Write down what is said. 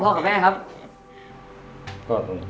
พ่อกับแม่ครับ